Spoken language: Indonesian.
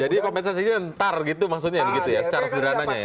jadi kompensasinya ntar gitu maksudnya ya secara sudarananya ya